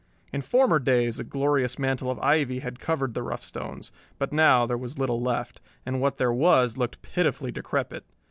In former days a glorious mantle of ivy had covered the rough stones; but now there was little left, and what there was looked pitifully decrepit.